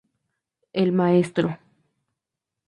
El Mtro.